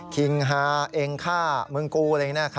คิงฮาเอ็งข้าเมืองกู